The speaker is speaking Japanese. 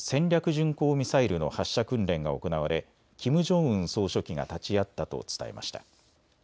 巡航ミサイルの発射訓練が行われキム・ジョンウン総書記が立ち会ったと伝えました。